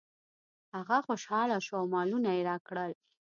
هغه خوشحاله شو او مالونه یې راکړل.